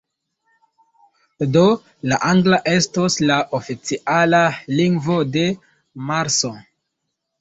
Do, la angla estos la oficiala lingvo de Marso?